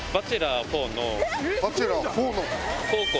『バチェラー４』の。